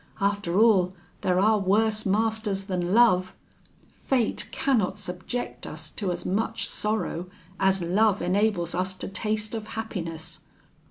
After all, there are worse masters than love: fate cannot subject us to as much sorrow as love enables us to taste of happiness.'